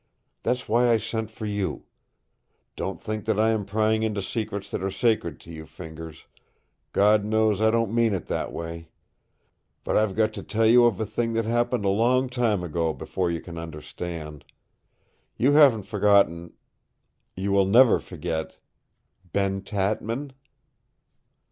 That's why I sent for you. Don't think that I am prying into secrets that are sacred to you, Fingers. God knows I don't mean it that way. But I've got to tell you of a thing that happened a long time ago, before you can understand. You haven't forgotten you will never forget Ben Tatman?"